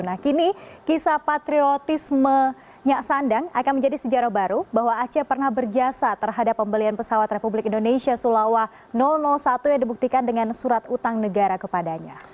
nah kini kisah patriotisme nyak sandang akan menjadi sejarah baru bahwa aceh pernah berjasa terhadap pembelian pesawat republik indonesia sulawak satu yang dibuktikan dengan surat utang negara kepadanya